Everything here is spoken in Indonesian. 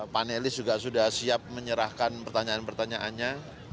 panelis juga sudah siap menyerahkan pertanyaan pertanyaannya